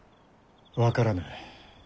分からぬ。